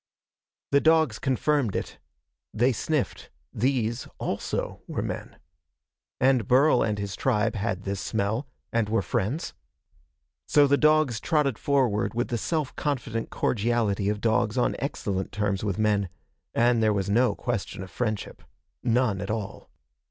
The dogs confirmed it. They sniffed. These, also, were men. And Burl and his tribe had this smell, and were friends. So the dogs trotted forward with the self confident cordiality of dogs on excellent terms with men and there was no question of friendship. None at all.